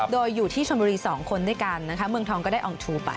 โดยอยู่ที่ชนบุรี๒คนด้วยกันนะคะเมืองทองก็ได้อองทูไป